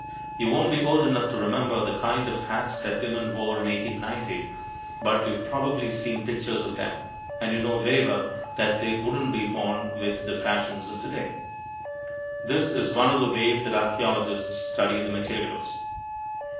You won't be old enough to remember the kind of hats that women wore in 1890, but you've probably seen pictures of them, and you know very well they couldn't be worn with the fashions of today. This is one of the ways that archeologists study their materials.